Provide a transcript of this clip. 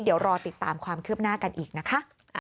เดี๋ยวรอติดตามความคืบหน้ากันอีกนะคะ